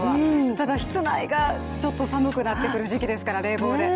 ただ室内がちょっと寒くなってくる時期ですから、冷房で。